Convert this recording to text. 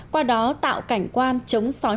qua đó tạo cảnh quan chống sói